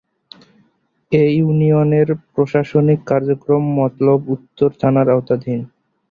এ ইউনিয়নের প্রশাসনিক কার্যক্রম মতলব উত্তর থানার আওতাধীন।